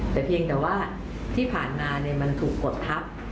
แต่เพียงแต่ว่าที่ผ่านมามันถูกกดทับ